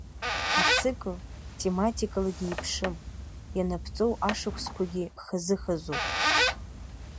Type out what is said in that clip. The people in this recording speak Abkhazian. Ацикл, тематикалагьы еиԥшым, ианаԥҵоу ашықәсқәагьы хазы-хазуп.